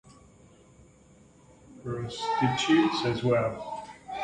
This was a nickname frequently given to other courtesans and prostitutes as well.